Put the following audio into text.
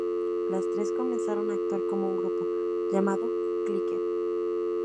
Las tres comenzaron a actuar como un grupo, llamado Clique.